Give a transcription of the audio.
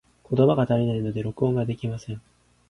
言葉が足りないので、録音ができません。